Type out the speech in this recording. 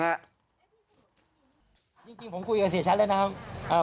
จริงผมคุยกับเสียชัดแล้วนะครับ